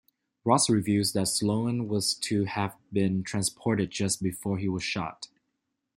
Ross reveals that Sloan was to have been transported just before he was shot.